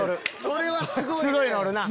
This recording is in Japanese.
それはすごいね！